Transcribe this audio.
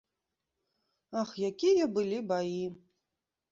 Ах, якія былі баі!